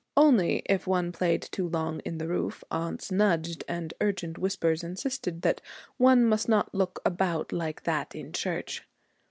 Only if one played too long in the roof aunts nudged, and urgent whispers insisted that one must not look about like that in church.